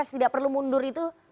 tidak perlu mundur itu